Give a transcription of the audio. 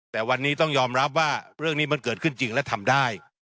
แต่วันนี้ต้องยอมรับว่าเรื่องนี้มันเกิดขึ้นจริงและทำได้